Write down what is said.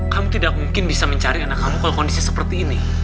kamu tidak mungkin bisa mencari anak kamu kalau kondisi seperti ini